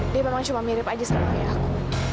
dia memang cuma mirip aja sama ayahku